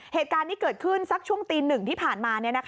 เหตุการณ์นี้เกิดขึ้นสักช่วงตี๑ที่ผ่านมา